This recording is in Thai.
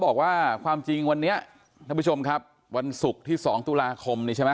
บอกว่าความจริงวันนี้ท่านผู้ชมครับวันศุกร์ที่๒ตุลาคมนี่ใช่ไหม